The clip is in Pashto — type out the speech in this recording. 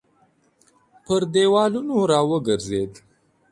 پر دېوالونو راوګرځېد.